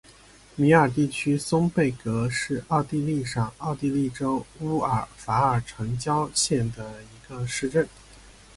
米尔地区松贝格是奥地利上奥地利州乌尔法尔城郊县的一个市镇。